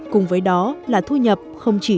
cùng với đó là thu nhập không chỉ